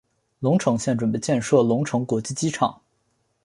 隆城县准备建设隆城国际机场。